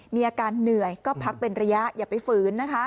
มีอาการเหนื่อยก็พักเป็นระยะอย่าไปฝืนนะคะ